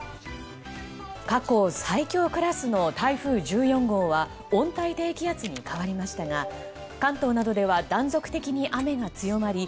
過去最強クラスの台風１４号は温帯低気圧に変わりましたが関東などでは断続的に雨が強まり